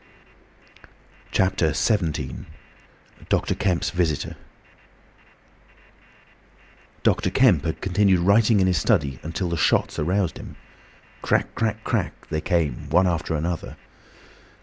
CHAPTER XVII. DR. KEMP'S VISITOR Dr. Kemp had continued writing in his study until the shots aroused him. Crack, crack, crack, they came one after the other.